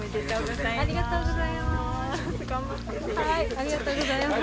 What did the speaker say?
ありがとうございます。